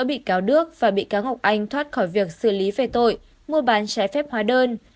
bị cáo đức và bị cáo ngọc anh thoát khỏi việc xử lý về tội mua bán trái phép hóa đơn